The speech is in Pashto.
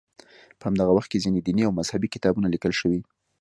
په همدغه وخت کې ځینې دیني او مذهبي کتابونه لیکل شوي.